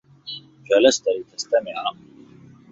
جَلَسْتَ لِتَسْمَعَ